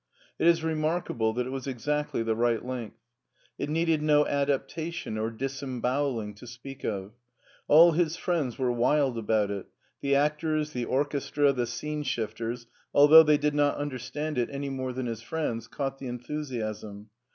It is remarkable that it was exactly the right length. It needed no adaptation or disembowelling to speak of. All his friends were wild about it; the actors, the orchestra, the scene shifters, although they did not understand it any more than his friends, caught the enthusiasm.